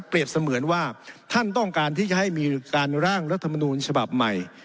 เสมือนว่าท่านต้องการที่จะให้มีการร่างรัฐมนูลฉบับใหม่